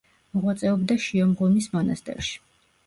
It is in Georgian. მოღვაწეობდა შიომღვიმის მონასტერში.